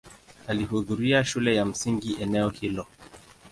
Alihudhuria shule ya msingi eneo hilo.